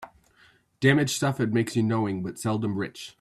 Damage suffered makes you knowing, but seldom rich.